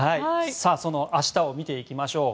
その明日を見ていきましょう。